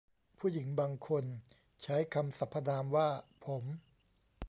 ผู้หญิงบางคนใช้คำสรรพนามว่าผม